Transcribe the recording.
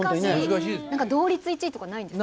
何か同率１位とかないんですか？